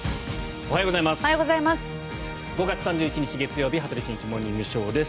おはようございます。